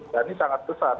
dan ini sangat besar